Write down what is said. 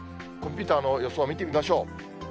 コンピューターの予想を見てみましょう。